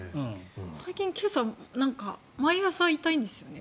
最近、今朝毎朝痛いんですよね。